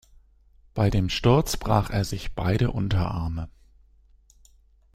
Bei dem Sturz brach er sich beide Unterarme.